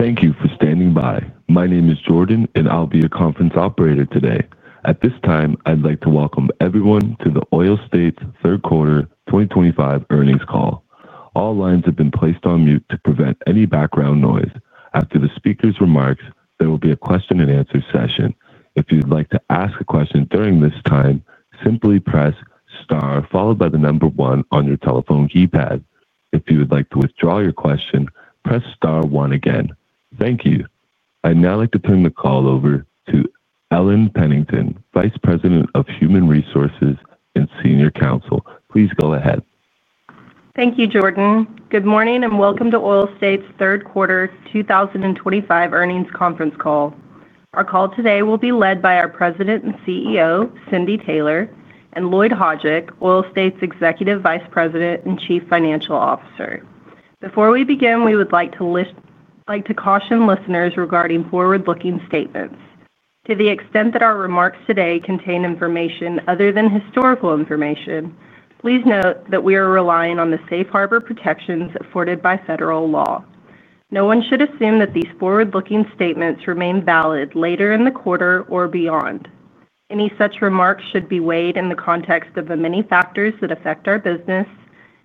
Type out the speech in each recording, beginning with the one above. Thank you for standing by. My name is Jordan, and I'll be your conference operator today. At this time, I'd like to welcome everyone to the Oil States third quarter 2025 earnings call. All lines have been placed on mute to prevent any background noise. After the speakers' remarks, there will be a question-and-answer session. If you'd like to ask a question during this time, simply press star followed by the number one on your telephone keypad. If you would like to withdraw your question, press star one again. Thank you. I'd now like to turn the call over to Ellen Pennington, Vice President of Human Resources and Senior Counsel. Please go ahead. Thank you, Jordan. Good morning and welcome to Oil States third quarter 2025 earnings conference call. Our call today will be led by our President and CEO, Cindy Taylor, and Lloyd Hajdik, Oil States Executive Vice President and Chief Financial Officer. Before we begin, we would like to caution listeners regarding forward-looking statements. To the extent that our remarks today contain information other than historical information, please note that we are relying on the safe harbor protections afforded by federal law. No one should assume that these forward-looking statements remain valid later in the quarter or beyond. Any such remarks should be weighed in the context of the many factors that affect our business,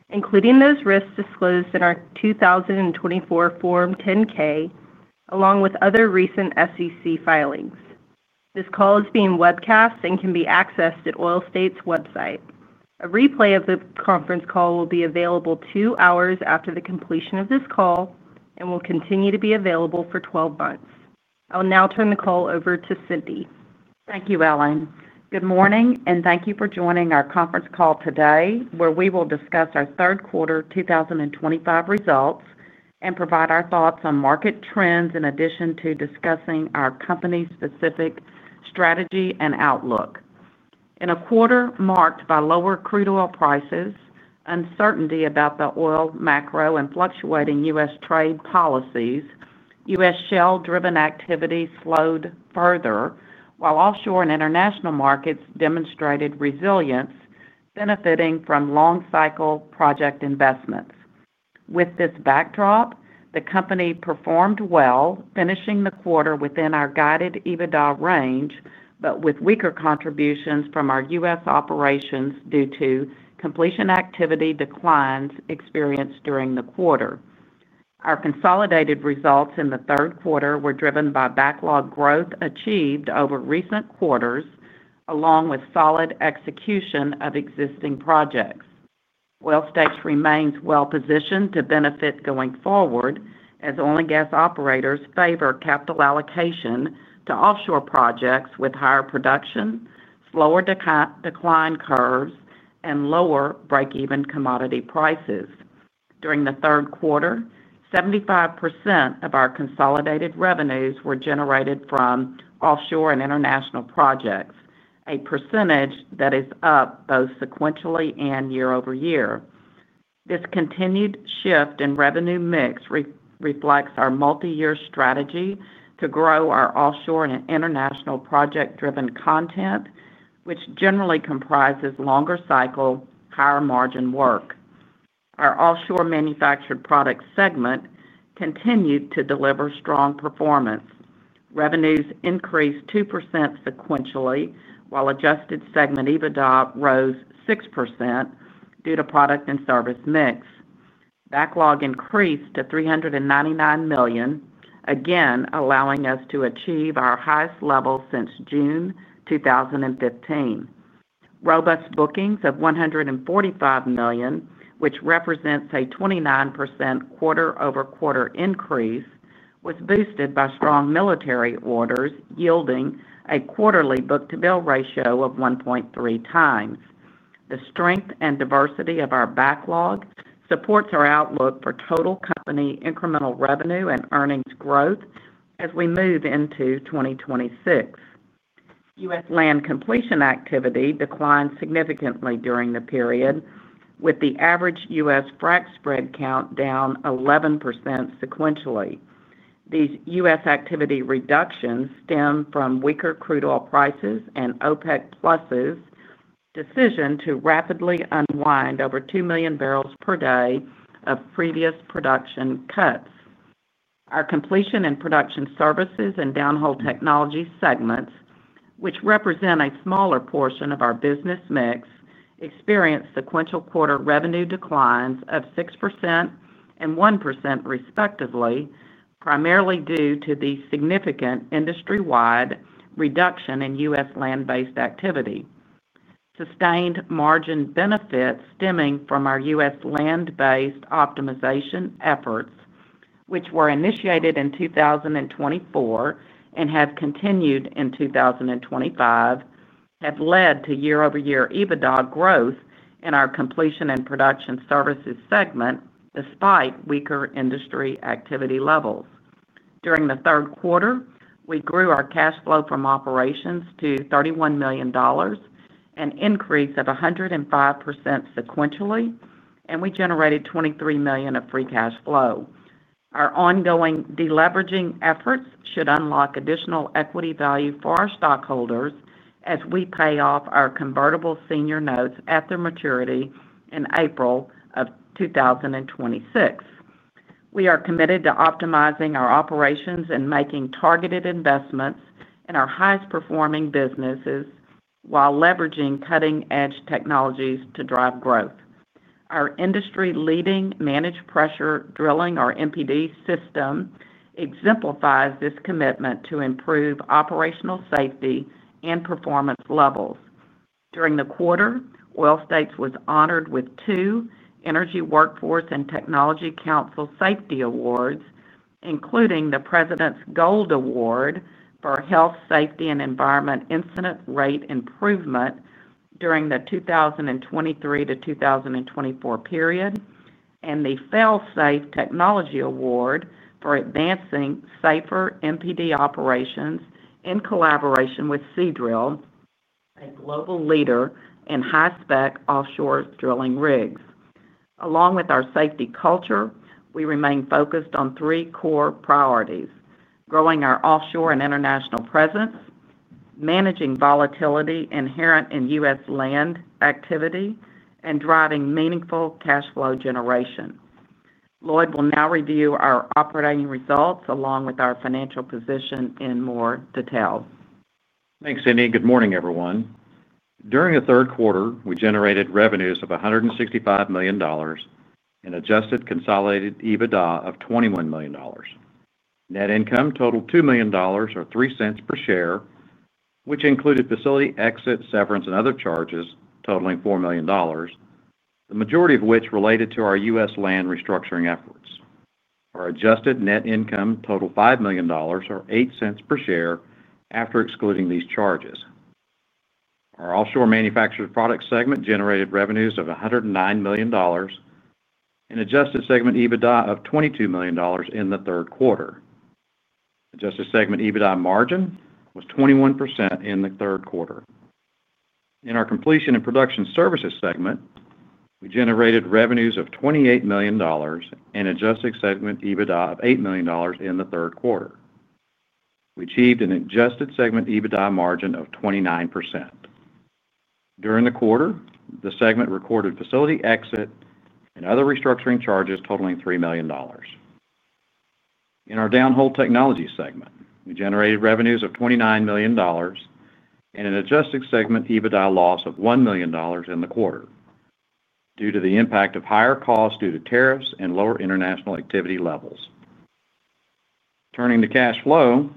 including those risks disclosed in our 2024 Form 10-K, along with other recent SEC filings. This call is being webcast and can be accessed at Oil State's website. A replay of the conference call will be available two hours after the completion of this call and will continue to be available for 12 months. I'll now turn the call over to Cindy. Thank you, Ellen. Good morning and thank you for joining our conference call today, where we will discuss our third quarter 2025 results and provide our thoughts on market trends in addition to discussing our company-specific strategy and outlook. In a quarter marked by lower crude oil prices, uncertainty about the oil macro and fluctuating U.S. trade policies, U.S. shale-driven activity slowed further, while offshore and international markets demonstrated resilience, benefiting from long-cycle project investments. With this backdrop, the company performed well, finishing the quarter within our guided EBITDA range, but with weaker contributions from our U.S. operations due to completion activity declines experienced during the quarter. Our consolidated results in the third quarter were driven by backlog growth achieved over recent quarters, along with solid execution of existing projects. Oil States remains well-positioned to benefit going forward, as oil and gas operators favor capital allocation to offshore projects with higher production, slower decline curves, and lower break-even commodity prices. During the third quarter, 75% of our consolidated revenues were generated from offshore and international projects, a percentage that is up both sequentially and year-over-year. This continued shift in revenue mix reflects our multi-year strategy to grow our offshore and international project-driven content, which generally comprises longer cycle, higher margin work. Our Offshore Manufactured Products segment continued to deliver strong performance. Revenues increased 2% sequentially, while adjusted segment EBITDA rose 6% due to product and service mix. Backlog increased to $399 million, again allowing us to achieve our highest level since June 2015. Robust bookings of $145 million, which represents a 29% quarter-over-quarter increase, was boosted by strong military orders, yielding a quarterly book-to-bill ratio of 1.3x. The strength and diversity of our backlog supports our outlook for total company incremental revenue and earnings growth as we move into 2026. U.S. land completion activity declined significantly during the period, with the average U.S. frac spread count down 11% sequentially. These U.S. activity reductions stem from weaker crude oil prices and OPEC+'s decision to rapidly unwind over 2 million bbl per day of previous production cuts. Our Completion and Production Services and Downhole Technologies segments, which represent a smaller portion of our business mix, experienced sequential quarter revenue declines of 6% and 1%, respectively, primarily due to the significant industry-wide reduction in U.S. land-based activity. Sustained margin benefits stemming from our U.S. land-based optimization efforts, which were initiated in 2024 and have continued in 2025, have led to year-over-year EBITDA growth in our Completion and Production Services segment, despite weaker industry activity levels. During the third quarter, we grew our cash flow from operations to $31 million, an increase of 105% sequentially, and we generated $23 million of free cash flow. Our ongoing deleveraging efforts should unlock additional equity value for our stockholders as we pay off our convertible senior notes at their maturity in April of 2026. We are committed to optimizing our operations and making targeted investments in our highest-performing businesses while leveraging cutting-edge technologies to drive growth. Our industry-leading managed pressure drilling, or MPD, system exemplifies this commitment to improve operational safety and performance levels. During the quarter, Oil States was honored with two Energy Workforce and Technology Council Safety Awards, including the President's Gold Award for Health, Safety, and Environment Incident Rate Improvement during the 2023 to 2024 period, and the FailSafe Technology Award for advancing safer MPD operations in collaboration with Seadrill, a global leader in high-spec offshore drilling rigs. Along with our safety culture, we remain focused on three core priorities: growing our offshore and international presence, managing volatility inherent in U.S. land activity, and driving meaningful cash flow generation. Lloyd will now review our operating results along with our financial position in more detail. Thanks, Cindy. Good morning, everyone. During the third quarter, we generated revenues of $165 million and adjusted consolidated EBITDA of $21 million. Net income totaled $2 million, or $0.03 per share, which included facility exits, severance, and other charges totaling $4 million, the majority of which related to our U.S. land restructuring efforts. Our adjusted net income totaled $5 million, or $0.08 per share, after excluding these charges. Our Offshore Manufactured Products segment generated revenues of $109 million and adjusted segment EBITDA of $22 million in the third quarter. Adjusted segment EBITDA margin was 21% in the third quarter. In our Completion and Production Services segment, we generated revenues of $28 million and adjusted segment EBITDA of $8 million in the third quarter. We achieved an adjusted segment EBITDA margin of 29%. During the quarter, the segment recorded facility exit and other restructuring charges totaling $3 million. In our Downhole Technologies segment, we generated revenues of $29 million and an adjusted segment EBITDA loss of $1 million in the quarter due to the impact of higher costs due to tariffs and lower international activity levels. Turning to cash flow,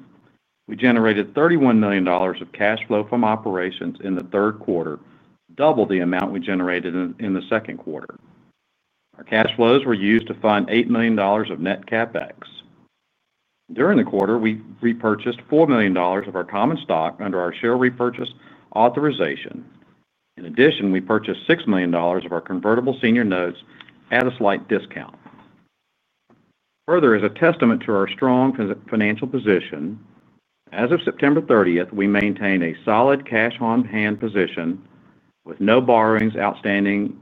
we generated $31 million of cash flow from operations in the third quarter, double the amount we generated in the second quarter. Our cash flows were used to fund $8 million of net CapEx. During the quarter, we repurchased $4 million of our common stock under our share repurchase authorization. In addition, we purchased $6 million of our convertible senior notes at a slight discount, further as a testament to our strong financial position. As of September 30th, we maintain a solid cash on hand position with no borrowings outstanding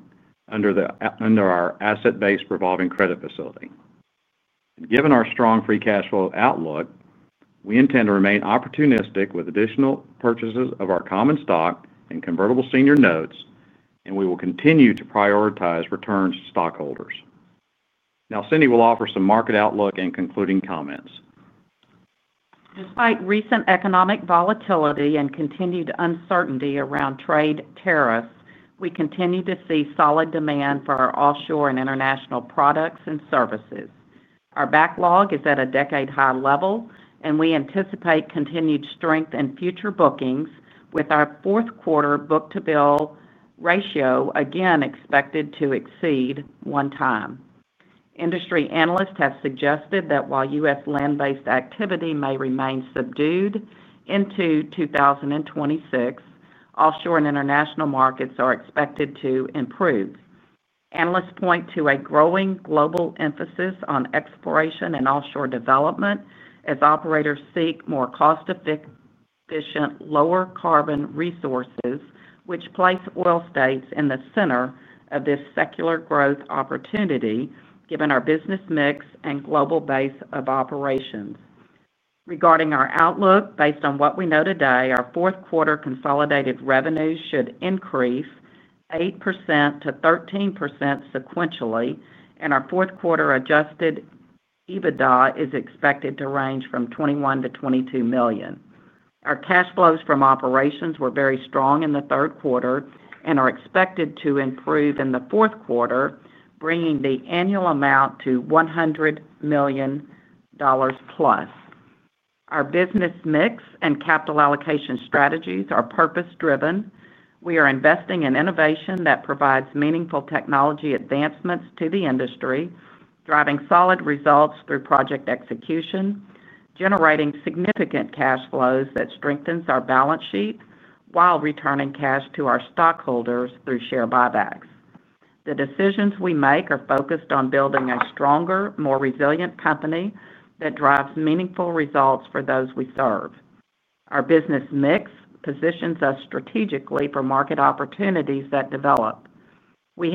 under our asset-based revolving credit facility. Given our strong free cash flow outlook, we intend to remain opportunistic with additional purchases of our common stock and convertible senior notes, and we will continue to prioritize returns to stockholders. Now, Cindy will offer some market outlook and concluding comments. Despite recent economic volatility and continued uncertainty around trade tariffs, we continue to see solid demand for our offshore and international products and services. Our backlog is at a decade-high level, and we anticipate continued strength in future bookings, with our fourth quarter book-to-bill ratio again expected to exceed 1x. Industry analysts have suggested that while U.S. land-based activity may remain subdued into 2026, offshore and international markets are expected to improve. Analysts point to a growing global emphasis on exploration and offshore development as operators seek more cost-efficient, lower-carbon resources, which Oil States in the center of this secular growth opportunity, given our business mix and global base of operations. Regarding our outlook, based on what we know today, our fourth quarter consolidated revenues should increase 8%-13% sequentially, and our fourth quarter adjusted EBITDA is expected to range from $21 million-$22 million. Our cash flows from operations were very strong in the third quarter and are expected to improve in the fourth quarter, bringing the annual amount to $100 million+. Our business mix and capital allocation strategies are purpose-driven. We are investing in innovation that provides meaningful technology advancements to the industry, driving solid results through project execution, generating significant cash flows that strengthen our balance sheet while returning cash to our stockholders through share buybacks. The decisions we make are focused on building a stronger, more resilient company that drives meaningful results for those we serve. Our business mix positions us strategically for market opportunities that develop. We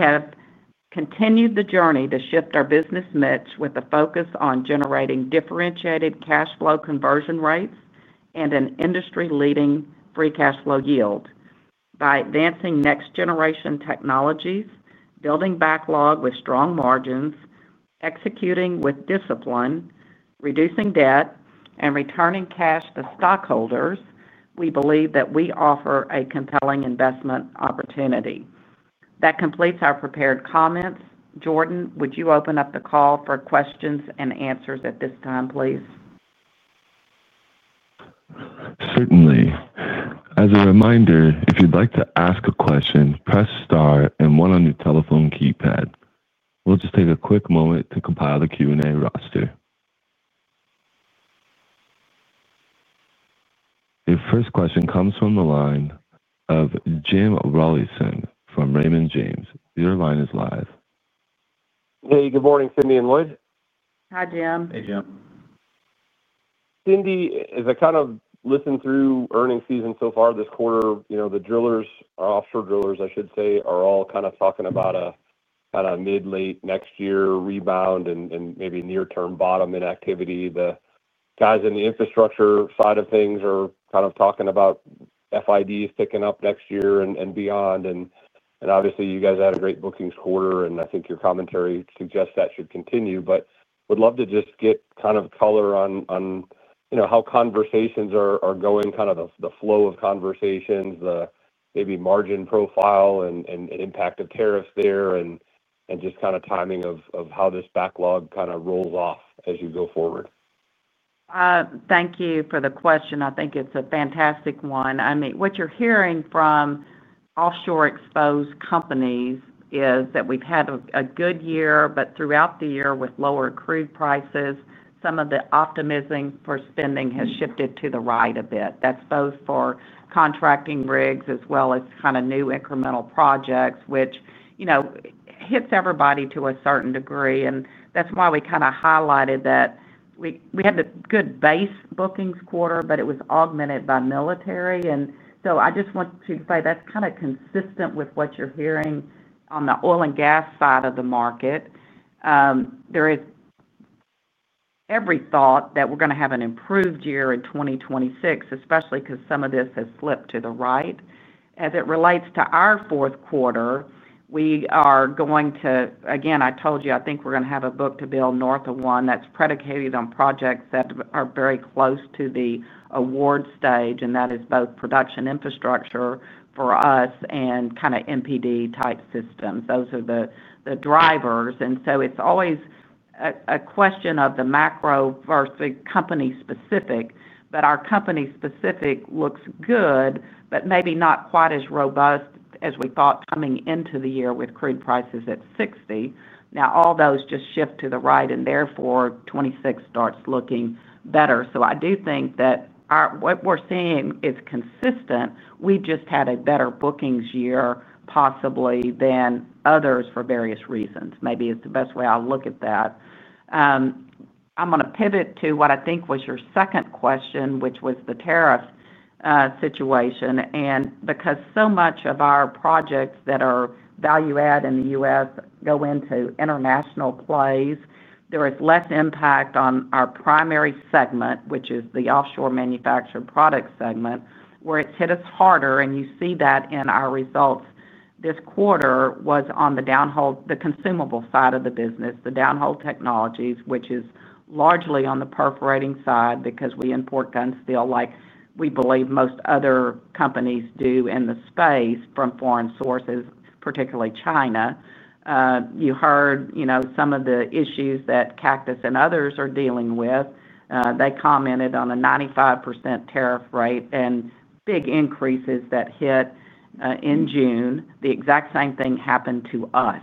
have continued the journey to shift our business mix with a focus on generating differentiated cash flow conversion rates and an industry-leading free cash flow yield. By advancing next-generation technologies, building backlog with strong margins, executing with discipline, reducing debt, and returning cash to stockholders, we believe that we offer a compelling investment opportunity. That completes our prepared comments. Jordan, would you open up the call for questions and answers at this time, please? Certainly. As a reminder, if you'd like to ask a question, press star and one on your telephone keypad. We'll just take a quick moment to compile the Q&A roster. The first question comes from the line of Jim Rollyson from Raymond James. Your line is live. Hey, good morning, Cindy and Lloyd. Hi, Jim. Hey, Jim. Cindy, as I listen through earnings season so far this quarter, the drillers, our offshore drillers, I should say, are all talking about a kind of mid-late next year rebound and maybe near-term bottom in activity. The guys in the infrastructure side of things are talking about FIDs picking up next year and beyond. Obviously, you guys had a great bookings quarter, and I think your commentary suggests that should continue. I would love to just get color on how conversations are going, the flow of conversations, the maybe margin profile and impact of tariffs there, and the timing of how this backlog rolls off as you go forward. Thank you for the question. I think it's a fantastic one. What you're hearing from offshore exposed companies is that we've had a good year, but throughout the year with lower crude prices, some of the optimizing for spending has shifted to the right a bit. That's both for contracting rigs as well as kind of new incremental projects, which hits everybody to a certain degree. That's why we kind of highlighted that we had a good base bookings quarter, but it was augmented by military. I just want to say that's kind of consistent with what you're hearing on the oil and gas side of the market. There is every thought that we're going to have an improved year in 2026, especially because some of this has slipped to the right. As it relates to our fourth quarter, we are going to, again, I told you, I think we're going to have a book-to-bill north of one that's predicated on projects that are very close to the award stage, and that is both production infrastructure for us and kind of MPD-type systems. Those are the drivers. It's always a question of the macro versus the company-specific. Our company-specific looks good, but maybe not quite as robust as we thought coming into the year with crude prices at $60. Now, all those just shift to the right, and therefore 2026 starts looking better. I do think that what we're seeing is consistent. We just had a better bookings year possibly than others for various reasons. Maybe it's the best way I'll look at that. I'm going to pivot to what I think was your second question, which was the tariff situation. Because so much of our projects that are value-add in the U.S. go into international plays, there is less impact on our primary segment, which is the Offshore Manufactured Products segment, where it's hit us harder. You see that in our results. This quarter was on the consumable side of the business, the Downhole Technologies, which is largely on the perforating side because we import gun steel like we believe most other companies do in the space from foreign sources, particularly China. You heard some of the issues that Cactus and others are dealing with. They commented on a 95% tariff rate and big increases that hit in June. The exact same thing happened to us,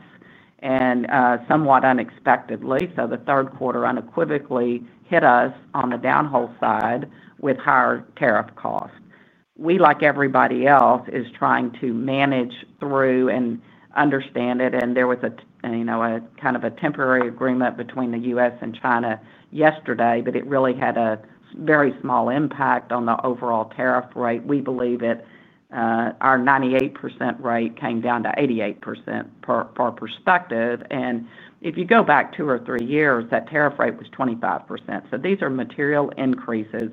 and somewhat unexpectedly, so the third quarter unequivocally hit us on the Downhole side with higher tariff costs. We, like everybody else, are trying to manage through and understand it. There was a kind of a temporary agreement between the U.S. and China yesterday, but it really had a very small impact on the overall tariff rate. We believe that our 98% rate came down to 88% from our perspective. If you go back two or three years, that tariff rate was 25%. These are material increases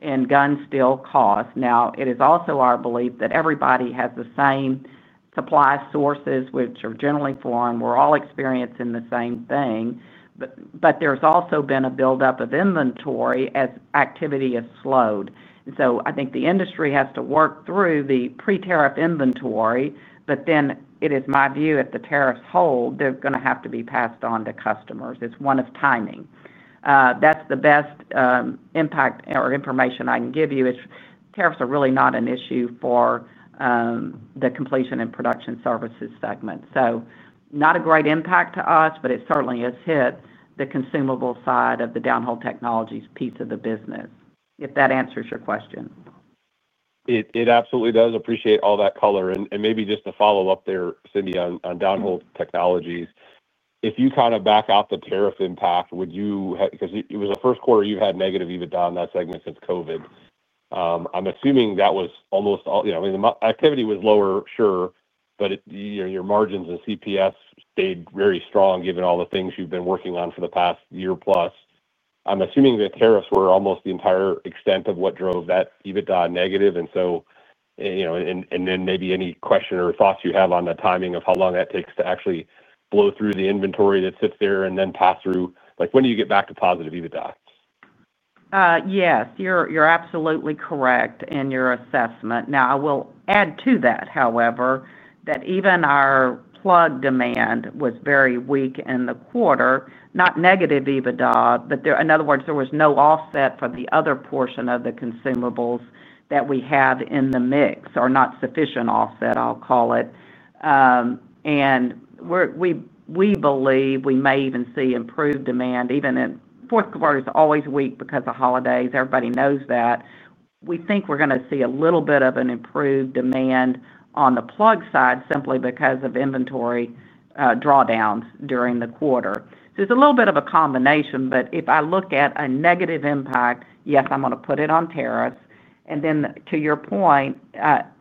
in gun steel costs. It is also our belief that everybody has the same supply sources, which are generally foreign. We're all experiencing the same thing. There has also been a buildup of inventory as activity has slowed. I think the industry has to work through the pre-tariff inventory, but then it is my view if the tariffs hold, they're going to have to be passed on to customers. It's one of timing. The best impact or information I can give you is tariffs are really not an issue for the Completion and Production Services segment. Not a great impact to us, but it certainly has hit the consumable side of the Downhole Technologies piece of the business, if that answers your question. It absolutely does. Appreciate all that color. Maybe just to follow up there, Cindy, on Downhole Technologies, if you kind of back out the tariff impact, would you have, because it was the first quarter you've had negative EBITDA on that segment since COVID, I'm assuming that was almost all. I mean, the activity was lower, sure, but your margins and CPS stayed very strong given all the things you've been working on for the past year plus. I'm assuming that tariffs were almost the entire extent of what drove that EBITDA negative. Then maybe any question or thoughts you have on the timing of how long that takes to actually blow through the inventory that sits there and then pass through? When do you get back to positive EBITDA? Yes, you're absolutely correct in your assessment. I will add to that, however, that even our plug demand was very weak in the quarter, not negative EBITDA, but in other words, there was no offset for the other portion of the consumables that we had in the mix, or not sufficient offset, I'll call it. We believe we may even see improved demand. Even fourth quarter is always weak because of holidays. Everybody knows that. We think we're going to see a little bit of an improved demand on the plug side simply because of inventory drawdowns during the quarter. It's a little bit of a combination, but if I look at a negative impact, yes, I'm going to put it on tariffs. To your point,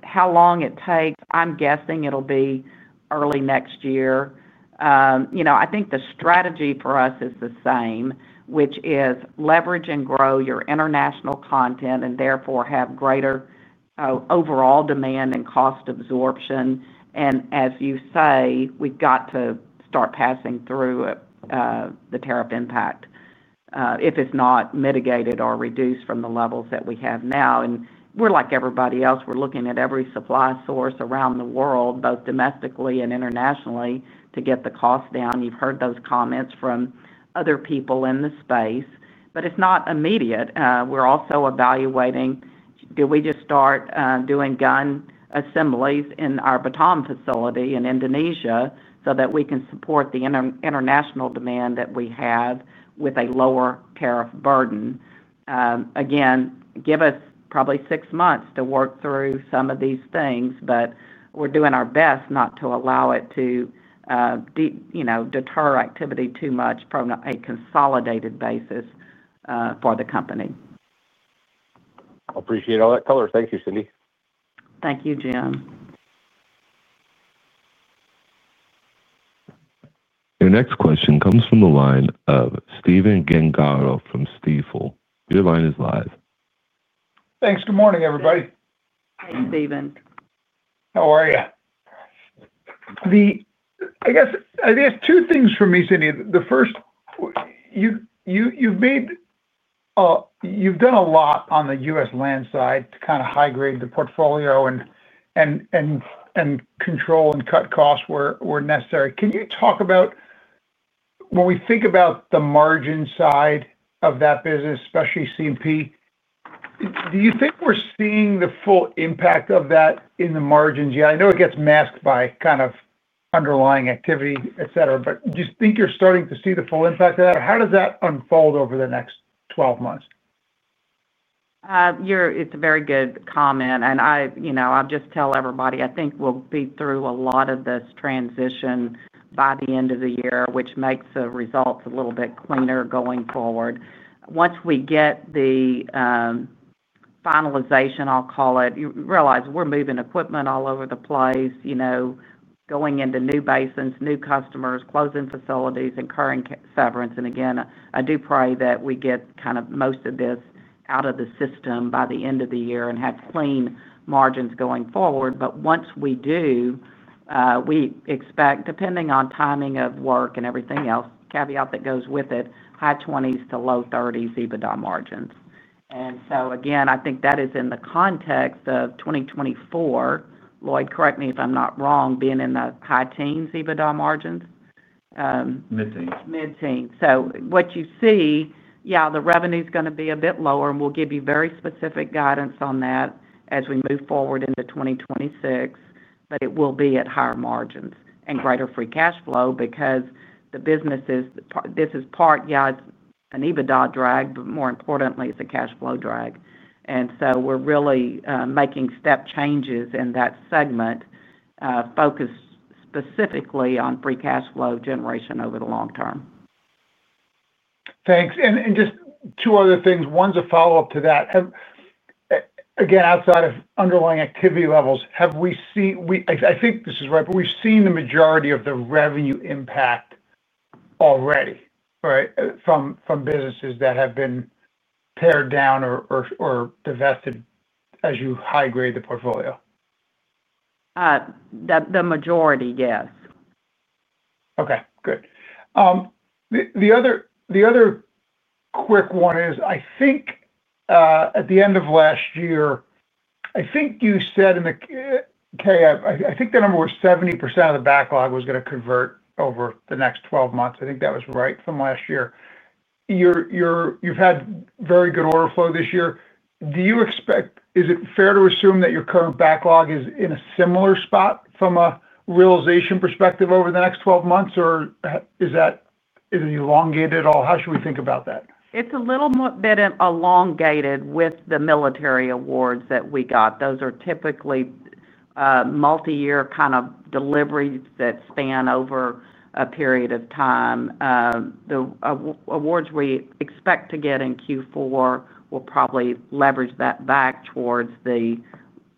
how long it takes, I'm guessing it'll be early next year. I think the strategy for us is the same, which is leverage and grow your international content and therefore have greater overall demand and cost absorption. As you say, we've got to start passing through the tariff impact if it's not mitigated or reduced from the levels that we have now. We're like everybody else. We're looking at every supply source around the world, both domestically and internationally, to get the cost down. You've heard those comments from other people in the space, but it's not immediate. We're also evaluating, do we just start doing gun assemblies in our Batam facility in Indonesia so that we can support the international demand that we have with a lower tariff burden. Again, give us probably six months to work through some of these things, but we're doing our best not to allow it to deter activity too much from a consolidated basis for the company. Appreciate all that color. Thank you, Cindy. Thank you, Jim. Your next question comes from the line of Steven Gengaro from Stifel. Your line is live. Thanks. Good morning, everybody. Hi, Steven. How are you? I guess two things for me, Cindy. The first, you've done a lot on the U.S. land side to kind of high-grade the portfolio and control and cut costs where necessary. Can you talk about, when we think about the margin side of that business, especially CP? Do you think we're seeing the full impact of that in the margins yet? I know it gets masked by kind of underlying activity, etc., but do you think you're starting to see the full impact of that? How does that unfold over the next 12 months? It's a very good comment. I'll just tell everybody, I think we'll be through a lot of this transition by the end of the year, which makes the results a little bit cleaner going forward. Once we get the finalization, I'll call it, realize we're moving equipment all over the place, going into new basins, new customers, closing facilities, incurring severance. I do pray that we get kind of most of this out of the system by the end of the year and have clean margins going forward. Once we do, we expect, depending on timing of work and everything else, caveat that goes with it, high 20s to low 30s EBITDA margins. I think that is in the context of 2024. Lloyd, correct me if I'm not wrong, being in the high teens EBITDA margins? Mid-teens. Mid-teens. What you see, yeah, the revenue is going to be a bit lower, and we'll give you very specific guidance on that as we move forward into 2026, but it will be at higher margins and greater free cash flow because the businesses, this is part, yeah, it's an EBITDA drag, but more importantly, it's a cash flow drag. We're really making step changes in that segment, focused specifically on free cash flow generation over the long term. Thanks. Just two other things. One's a follow-up to that. Again, outside of underlying activity levels, have we seen—I think this is right—but we've seen the majority of the revenue impact already, right, from businesses that have been pared down or divested as you high-grade the portfolio? The majority, yes. Okay. The other quick one is, I think at the end of last year, I think you said in the, okay, I think the number was 70% of the backlog was going to convert over the next 12 months. I think that was right from last year. You've had very good order flow this year. Do you expect, is it fair to assume that your current backlog is in a similar spot from a realization perspective over the next 12 months, or is that elongated at all? How should we think about that? It's a little bit elongated with the military awards that we got. Those are typically multi-year kind of deliveries that span over a period of time. The awards we expect to get in Q4 will probably leverage that back towards the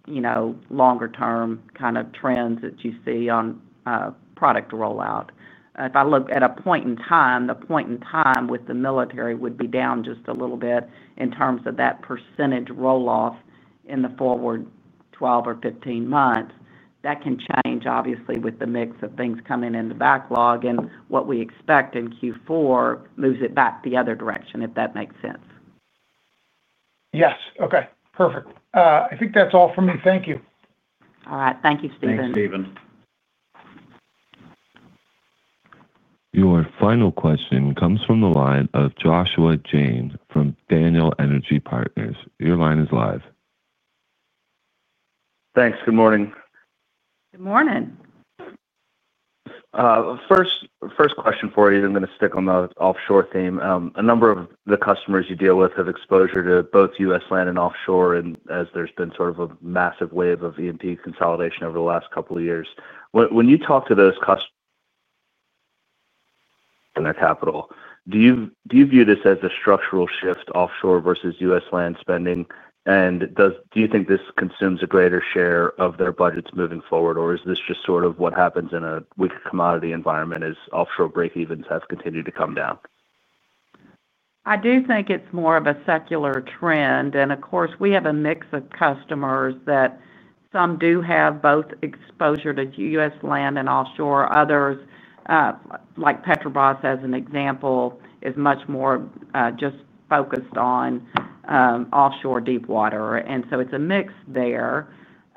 longer-term kind of trends that you see on product rollout. If I look at a point in time, the point in time with the military would be down just a little bit in terms of that % rolloff in the forward 12 or 15 months. That can change, obviously, with the mix of things coming in the backlog, and what we expect in Q4 moves it back the other direction, if that makes sense. Yes. Okay. Perfect. I think that's all for me. Thank you. All right. Thank you, Steven. Thanks, Steven. Your final question comes from the line of Joshua Jayne from Daniel Energy Partners. Your line is live. Thanks. Good morning. Good morning. First question for you. I'm going to stick on the offshore theme. A number of the customers you deal with have exposure to both U.S. land and offshore, and as there's been sort of a massive wave of E&P consolidation over the last couple of years, when you talk to those customers in their capital, do you view this as a structural shift offshore versus U.S. land spending? Do you think this consumes a greater share of their budgets moving forward, or is this just sort of what happens in a weak commodity environment as offshore break-evens have continued to come down? I do think it's more of a secular trend. Of course, we have a mix of customers that some do have both exposure to U.S. land and offshore. Others, like Petrobras, as an example, are much more just focused on offshore deep water. It's a mix there.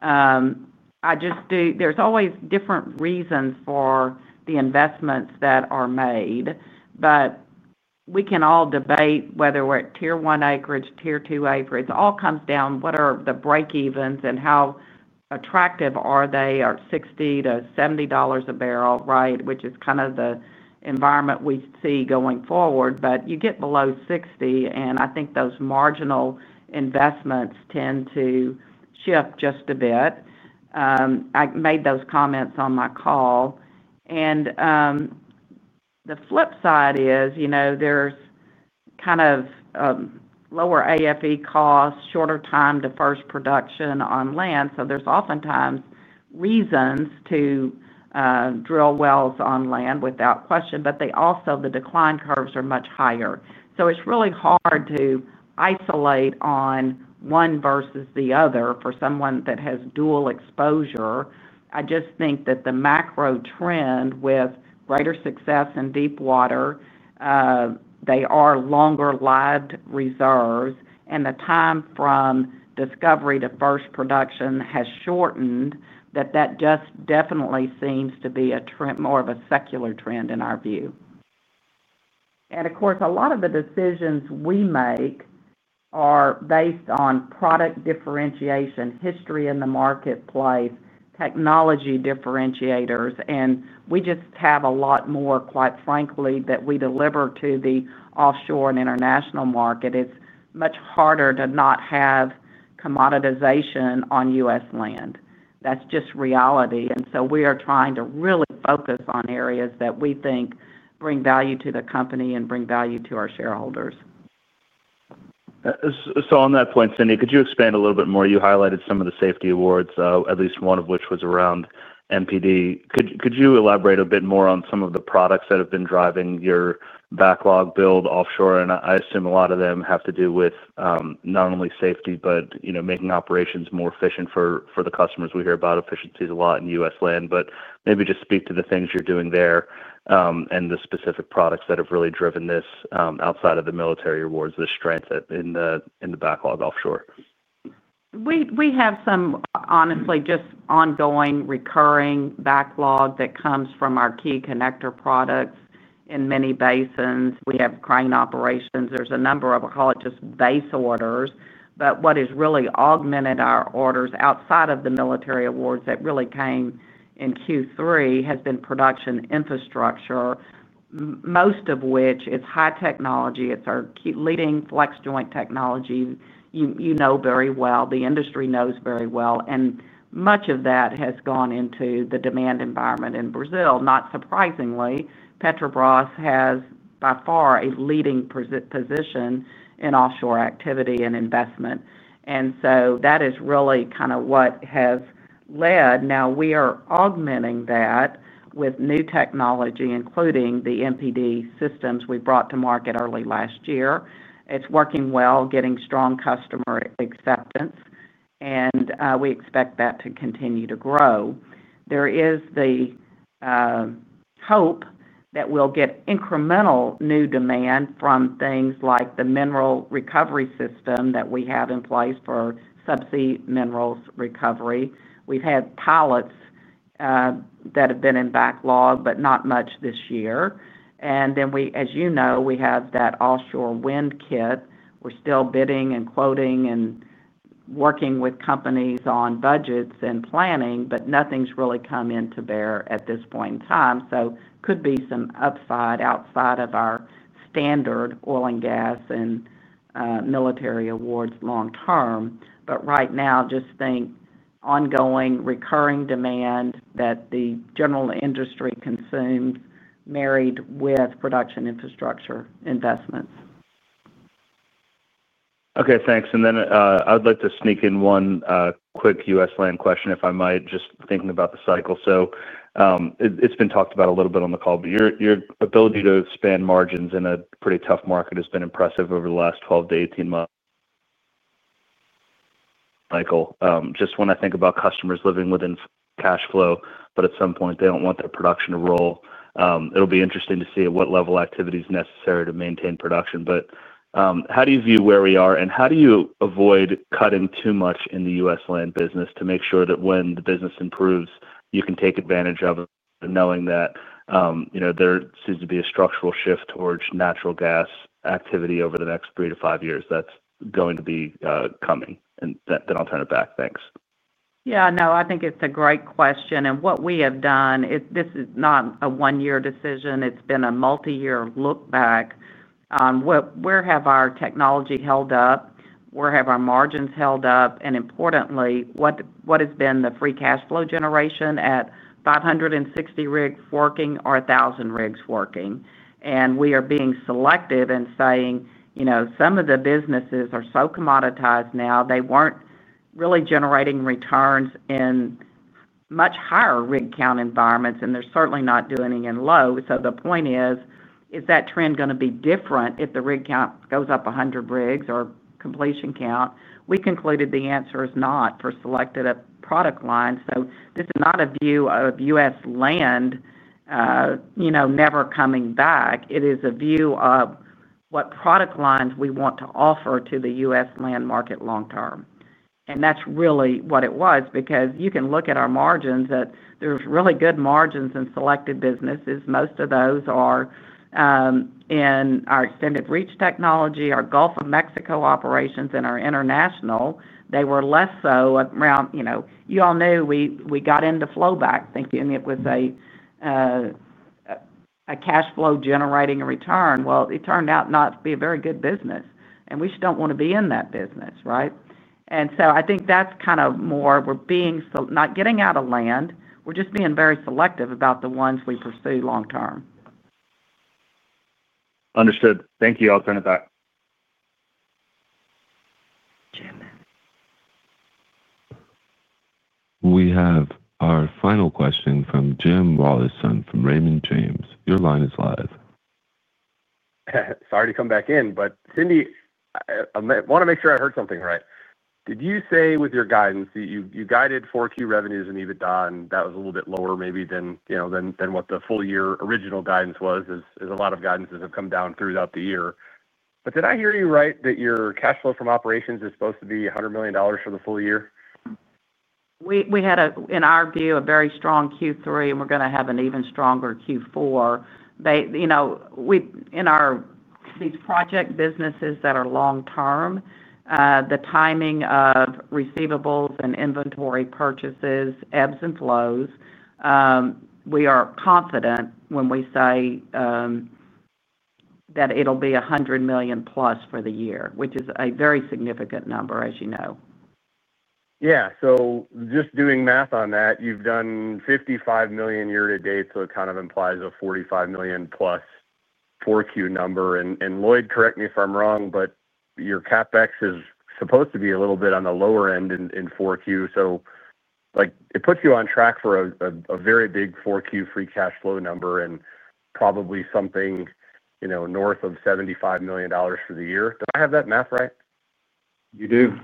There are always different reasons for the investments that are made, but we can all debate whether we're at tier one acreage or tier two acreage. It all comes down to what are the break-evens and how attractive are they at $60-$70 a barrel, right, which is kind of the environment we see going forward. You get below $60, and I think those marginal investments tend to shift just a bit. I made those comments on my call. The flip side is there are lower AFE costs and shorter time to first production on land, so there are oftentimes reasons to drill wells on land, without question, but also, the decline curves are much higher. It's really hard to isolate on one versus the other for someone that has dual exposure. I just think that the macro trend with greater success in deep water, they are longer-lived reserves, and the time from discovery to first production has shortened, that just definitely seems to be more of a secular trend in our view. Of course, a lot of the decisions we make are based on product differentiation, history in the marketplace, technology differentiators, and we just have a lot more, quite frankly, that we deliver to the offshore and international market. It's much harder to not have commoditization on U.S. land. That's just reality. We are trying to really focus on areas that we think bring value to the company and bring value to our shareholders. On that point, Cindy, could you expand a little bit more? You highlighted some of the safety awards, at least one of which was around MPD. Could you elaborate a bit more on some of the products that have been driving your backlog build offshore? I assume a lot of them have to do with not only safety, but making operations more efficient for the customers. We hear about efficiencies a lot in U.S. land, but maybe just speak to the things you're doing there and the specific products that have really driven this outside of the military orders, the strength in the backlog offshore. We have some, honestly, just ongoing recurring backlog that comes from our key connector products in many basins. We have crane operations. There's a number of, I'll call it just base orders. What has really augmented our orders outside of the military awards that really came in Q3 has been production infrastructure, most of which is high technology. It's our leading flex joint technology. You know very well. The industry knows very well. Much of that has gone into the demand environment in Brazil. Not surprisingly, Petrobras has by far a leading position in offshore activity and investment. That is really kind of what has led. Now, we are augmenting that with new technology, including the MPD systems we brought to market early last year. It's working well, getting strong customer acceptance, and we expect that to continue to grow. There is the hope that we'll get incremental new demand from things like the mineral recovery system that we have in place for subsea minerals recovery. We've had pilots that have been in backlog, but not much this year. As you know, we have that offshore wind kit. We're still bidding and quoting and working with companies on budgets and planning, but nothing's really come into bear at this point in time. It could be some upside outside of our standard oil and gas and military awards long term. Right now, just think ongoing recurring demand that the general industry consumes married with production infrastructure investments. Okay. Thanks. I'd like to sneak in one quick U.S. land question, if I might, just thinking about the cycle. It's been talked about a little bit on the call, but your ability to expand margins in a pretty tough market has been impressive over the last 12-18 months. Just when I think about customers living within cash flow, at some point, they don't want their production to roll, it'll be interesting to see at what level activity is necessary to maintain production. How do you view where we are, and how do you avoid cutting too much in the U.S. land business to make sure that when the business improves, you can take advantage of it, knowing that there seems to be a structural shift towards natural gas activity over the next three to five years that's going to be coming? I'll turn it back. Thanks. Yeah. No, I think it's a great question. What we have done, this is not a one-year decision. It's been a multi-year look back on where have our technology held up, where have our margins held up, and importantly, what has been the free cash flow generation at 560 rigs working or 1,000 rigs working? We are being selective in saying some of the businesses are so commoditized now, they weren't really generating returns in much higher rig count environments, and they're certainly not doing it in low. The point is, is that trend going to be different if the rig count goes up 100 rigs or completion count? We concluded the answer is not for selected product lines. This is not a view of U.S. land never coming back. It is a view of what product lines we want to offer to the U.S. land market long term. That's really what it was because you can look at our margins that there's really good margins in selected businesses. Most of those are in our extended reach technology, our Gulf of Mexico operations, and our international. They were less so around you all knew we got into flowback thinking it was a cash flow generating a return. It turned out not to be a very good business. We just don't want to be in that business, right? I think that's kind of more we're not getting out of land. We're just being very selective about the ones we pursue long term. Understood. Thank you. I'll turn it back. We have our final question from Jim Rollyson from Raymond James. Your line is live. Sorry to come back in, but Cindy, I want to make sure I heard something right. Did you say with your guidance that you guided fourth quarter revenues and EBITDA, and that was a little bit lower maybe than what the full year original guidance was, as a lot of guidances have come down throughout the year? Did I hear you right that your cash flow from operations is supposed to be $100 million for the full year? We had, in our view, a very strong Q3, and we're going to have an even stronger Q4. In these project businesses that are long term, the timing of receivables and inventory purchases ebbs and flows. We are confident when we say that it'll be $100 million+ for the year, which is a very significant number, as you know. Yeah. Just doing math on that, you've done $55 million year-to-date, so it kind of implies a $45 million+ 4Q number. Lloyd, correct me if I'm wrong, but your CapEx is supposed to be a little bit on the lower end in 4Q. It puts you on track for a very big 4Q free cash flow number and probably something north of $75 million for the year. Do I have that math right? You do.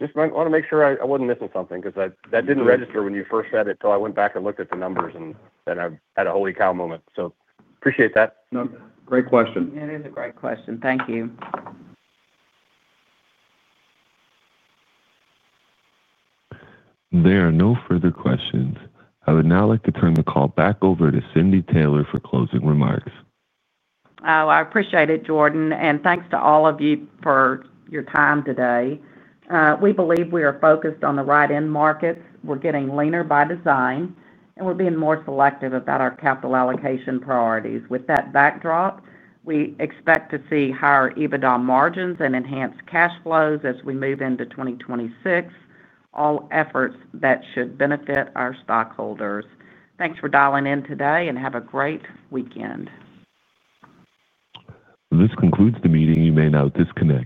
Just want to make sure I wasn't missing something because that didn't register when you first said it till I went back and looked at the numbers, and then I had a holy cow moment. Appreciate that. Great question. It is a great question. Thank you. There are no further questions. I would now like to turn the call back over to Cindy Taylor for closing remarks. I appreciate it, Jordan. Thanks to all of you for your time today. We believe we are focused on the right end markets. We're getting leaner by design, and we're being more selective about our capital allocation priorities. With that backdrop, we expect to see higher EBITDA margins and enhanced cash flows as we move into 2026. All efforts that should benefit our stockholders. Thanks for dialing in today and have a great weekend. This concludes the meeting. You may now disconnect.